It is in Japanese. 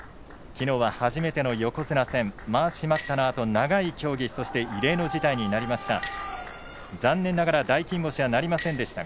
きのうは初めての横綱戦まわし待ったのあと長い協議そして異例の事態になりました。